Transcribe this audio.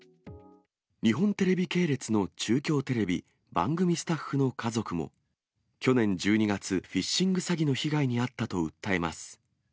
日本テレビ系列の中京テレビ、番組スタッフの家族も、去年１２月、フィッシング詐欺の被害に遭ったと訴えます。